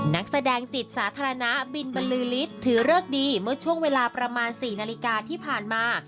นักแสดงจิตสาธารณะบินบรรลือฤทธิ์ถือเลิกดีเมื่อช่วงเวลาประมาณ๔นาฬิกาที่ผ่านมา